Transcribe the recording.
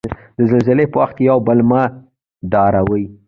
د زلزلې په وخت یو بل مه ډاروی.